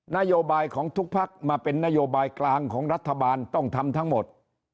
นโยบายของทุกพักมาเป็นนโยบายกลางของรัฐบาลต้องทำทั้งหมด